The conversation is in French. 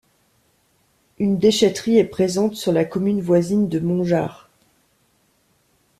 Une déchèterie est présente sur la commune voisine de Montgeard.